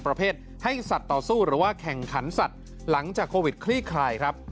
ประเภทให้สัตว์ต่อสู้หรือว่าแข่งขันสัตว์หลังจากโควิดคลี่คลายครับ